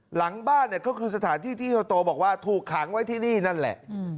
หลังบ้านเนี่ยก็คือสถานที่ที่เจ้าโตบอกว่าถูกขังไว้ที่นี่นั่นแหละ